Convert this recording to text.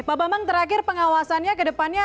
pak bambang terakhir pengawasannya ke depannya